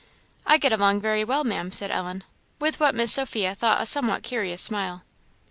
"I get along very well, Ma'am," said Ellen, with what Miss Sophia thought a somewhat curious smile.